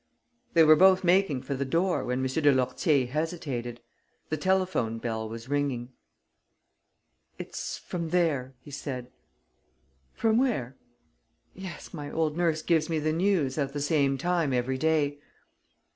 They were both making for the door, when M. de Lourtier hesitated. The telephone bell was ringing. "It's from there," he said. "From there?" "Yes, my old nurse gives me the news at the same time every day."